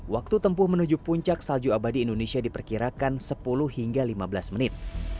waktu tempuh menuju puncak salju abadi indonesia diperkirakan sepuluh hingga lima belas menit